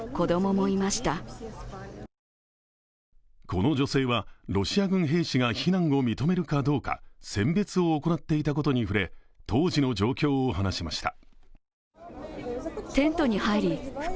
この女性は、ロシア軍兵士が避難を認めるかどうか選別を行っていたことに触れ、当時の状況を話しました。